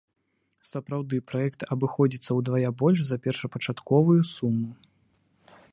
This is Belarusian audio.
Сапраўды, праект абыходзіцца ўдвая больш за першапачатковую суму.